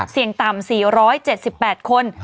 เสี่ยงต่ำ๔๗๘คน